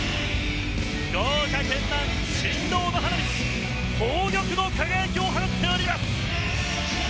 豪華絢爛、神童の花道が宝玉の輝きを放っています。